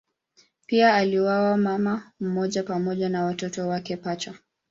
Pia aliuawa mama mmoja pamoja na watoto wake pacha.